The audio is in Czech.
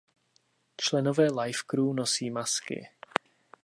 Členové live crew nosí masky.